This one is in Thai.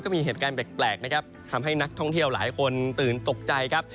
มีเหตุการณ์แปลกนะครับทำให้นักท่องเที่ยวหลายคนตื่นตกใจครับ